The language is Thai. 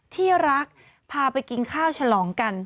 ที่รักพาไปกินข้าวฉลองกัน